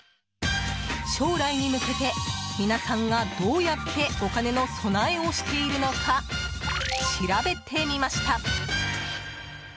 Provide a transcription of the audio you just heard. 将来に向けて皆さんが、どうやってお金の備えをしているのか調べてみました。